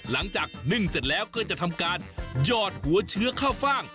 นึ่งเสร็จแล้วก็จะทำการหยอดหัวเชื้อข้าวฟ่าง